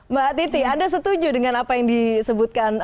mbak titi anda setuju dengan apa yang disebutkan